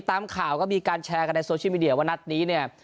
ตามข่าวก็มีการแชร์กันในโซเชียลมีเดียว่านัดนี้เนี่ย